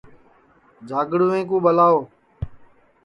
جھاگڑوویں کُو ٻلاؤ